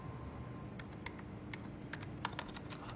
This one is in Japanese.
あっ。